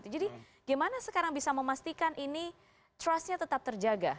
jadi bagaimana sekarang bisa memastikan ini trustnya tetap terjaga